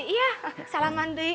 iya salam mandi